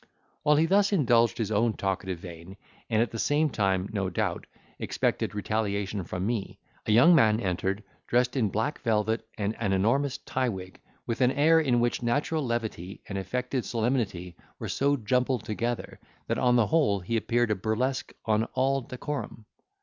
While he thus indulged his own talkative vein, and at the same time, no doubt, expected retaliation from me, a young man entered, dressed in black velvet and an enormous tie wig, with an air in which natural levity and affected solemnity were so jumbled together, that on the whole he appeared a burlesque on all decorum.